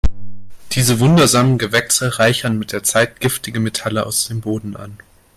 Diese wundersamen Gewächse reichern mit der Zeit giftige Metalle aus dem Boden an.